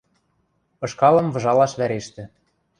Ышкалым выжалаш вӓрештӹ.